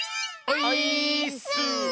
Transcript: オイーッス！